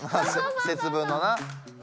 節分のな。